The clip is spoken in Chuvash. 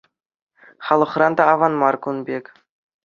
Халӑхран та аван мар кун пек.